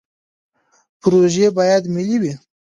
پروژې باید ملي وي